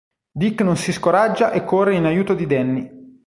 Dick non si scoraggia e corre in aiuto di Danny.